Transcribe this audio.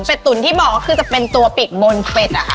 เป็นตุ๋นที่บอกก็คือจะเป็นตัวปิดบนเป็ดอะค่ะ